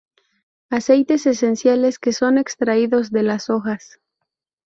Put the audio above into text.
Aceites esenciales que son extraídos de las hojas.